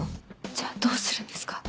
じゃあどうするんですか？